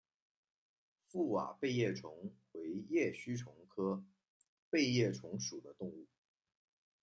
覆瓦背叶虫为叶须虫科背叶虫属的动物。